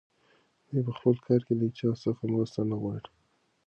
دی په خپل کار کې له هیچا څخه مرسته نه غواړي.